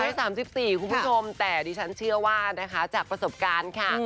๓๔คุณผู้ชมแต่ดิฉันเชื่อว่านะคะจากประสบการณ์ค่ะ